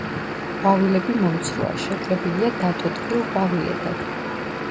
ყვავილები მომცროა, შეკრებილია დატოტვილ ყვავილედად.